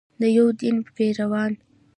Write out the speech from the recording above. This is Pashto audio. د یو دین پیروان.